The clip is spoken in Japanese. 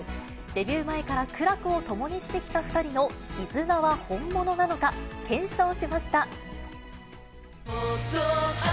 デビュー前から苦楽を共にしてきた２人の絆は本物なのか、検証しました。